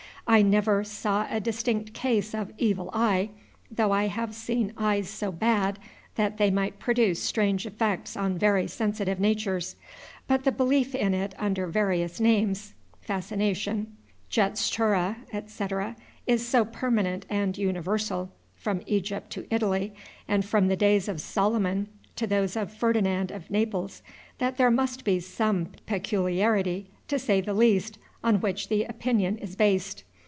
I never saw a distinct case of evil eye, though I have seen eyes so bad that they might produce strange effects on very sensitive natures. But the belief in it under various names, fascination, jettcztura, etc., is so permanent and universal, from Egypt to Italy, and from the days of Solomon to those of Ferdinand of Naples, that there must be some peculiarity, to say the least, on which the opinion is based.